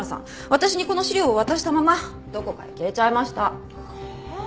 私にこの資料を渡したままどこかへ消えちゃいました。え！？